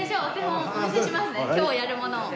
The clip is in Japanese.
今日やるものを。